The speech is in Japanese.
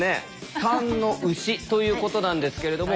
３の「牛」ということなんですけれども。